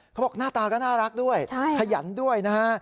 หน้าตาก็น่ารักด้วยขยันด้วยนะฮะ